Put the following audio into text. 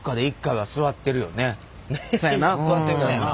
そやな座ってるやろな。